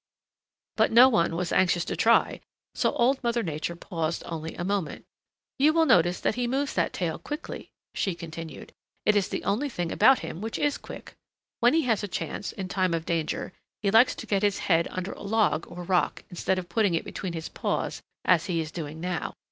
But no one was anxious to try, so Old Mother Nature paused only a moment. "You will notice that he moves that tail quickly," she continued. "It is the only thing about him which is quick. When he has a chance, in time of danger, he likes to get his head under a log or rock, instead of putting it between his paws as he is doing now.